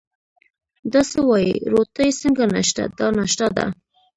دا څه وایې، روټۍ څنګه نشته، دا ناشتا ده.